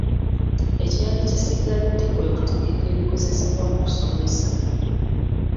Ekyali kisigadde kwe kutegeka ebikozesebwa mu kusomesa.